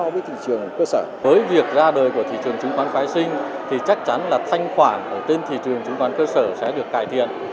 với việc ra đời của thị trường chứng khoán phái sinh thì chắc chắn là thanh khoản ở trên thị trường chứng khoán cơ sở sẽ được cải thiện